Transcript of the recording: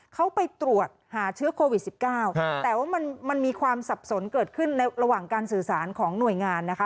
เขาไปตรวจหาเชื้อโควิด๑๙แต่ว่ามันมีความสับสนเกิดขึ้นในระหว่างการสื่อสารของหน่วยงานนะคะ